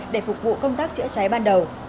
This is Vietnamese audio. để phục vụ công tác chữa cháy ban đầu